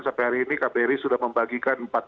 sampai hari ini kbri sudah membagikan